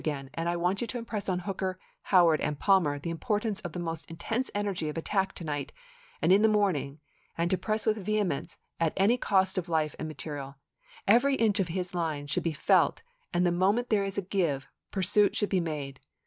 7 Ju\ h aSam> an(l I want you to impress on Hooker, ™e*£> Howard, and Palmer the importance of the most intense energy of attack to night and in the morn ing, and to press with vehemence at any cost of life and material. Every inch of his line should be felt and the moment there is a give, pursuit should be made.